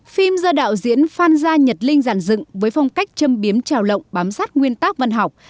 phim do đạo diễn phan gia nhật linh giàn dựng với phong cách châm biếm trào lộng bám sát nguyên tắc văn học